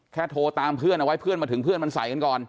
โทรตามเพื่อนเอาไว้เพื่อนมาถึงเพื่อนมันใส่กันก่อน